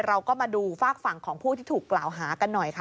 เราก็มาดูฝากฝั่งของผู้ที่ถูกกล่าวหากันหน่อยค่ะ